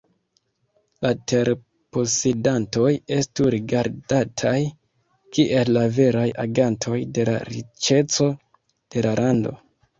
La terposedantoj estu rigardataj kiel la veraj agantoj de la riĉeco de la lando.